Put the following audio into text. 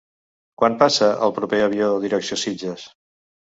Quan passa el proper avió direcció Sitges?